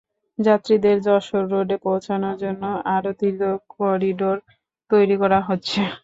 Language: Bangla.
যাত্রীদের যশোর রোডে পৌঁছানোর জন্য আরও দীর্ঘ করিডোর তৈরি করা হচ্ছে।